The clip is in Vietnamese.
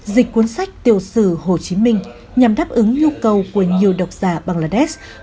dịch cuốn sách tiểu sử hồ chí minh nhằm đáp ứng nhu cầu của nhiều độc giả bangladesh